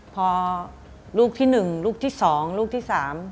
พอลูกที่๑ลูกที่๒ลูกที่๓